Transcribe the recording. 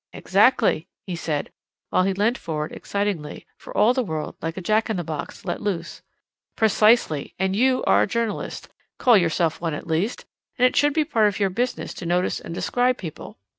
"Exactly," he said, while he leant forward excitedly, for all the world like a Jack in the box let loose. "Precisely; and you are a journalist call yourself one, at least and it should be part of your business to notice and describe people.